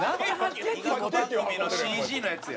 医学番組のＣＧのやつや。